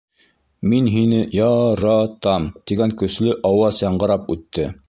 — Мин һине я-ра-там! —тигән көслө ауаз яңғырап үтте.